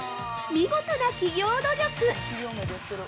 見事な企業努力！